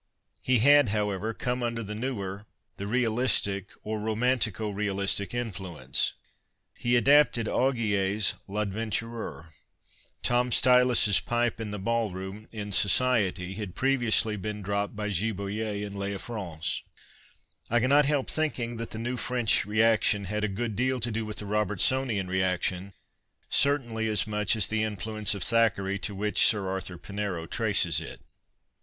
lie had, however, come under the newer, the realistic, or romantico realistic indueiiee. lie a(la|)ted Augier's UAienturii're. Tom Stylus's |)ij)e in the liallroom (in Society) had previously been dr()])ped l)y (iiboyer in Lcs Ejjronies. I cannot help thinking that the new French reaction had a gooil ileal to do with the 26fi PASTICHE AND PREJUDICE Robertsonian reaction, certainly as mucli as the influence of Thackeray to which Sir Arthur Pinero traces it.